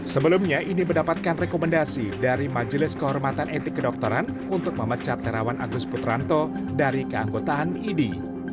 sebelumnya idi mendapatkan rekomendasi dari majelis kehormatan etik kedokteran untuk memecat terawan agus putranto dari keanggotaan idi